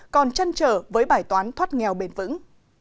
còn chăn trở với bài toán thoát nghèo bền vững